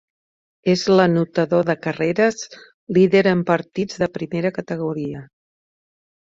És l'anotador de carreres líder en partits de primera categoria.